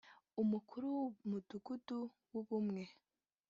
umukuru w’Umudugudu w’Ubumwe